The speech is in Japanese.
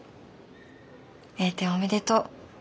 栄転おめでとう。